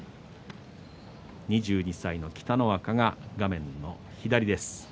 ２２歳の北の若、画面の左。